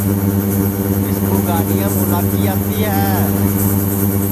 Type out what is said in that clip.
مِسکُو گاڈِؔیام اُلاکی آوتی ہے